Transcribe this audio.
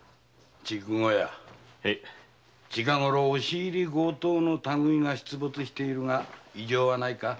近ごろ押し入り強盗の類いが出没しているが異常はないか？